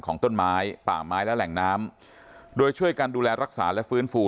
ของต้นไม้ป่าไม้และแหล่งน้ำโดยช่วยกันดูแลรักษาและฟื้นฟู